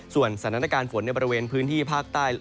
ส่วนสถานการณ์ฝนในบริเวณพื้นที่ภาคใต้